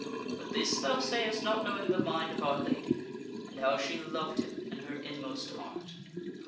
But this thou sayest, not knowing the mind of our Lady, and how she loved him in her inmost heart."